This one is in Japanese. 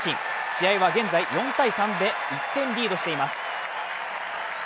試合は現在４−３で１点リードしています。